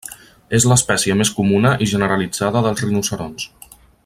És l'espècie més comuna i generalitzada dels rinoceronts.